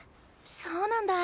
そうなんだ。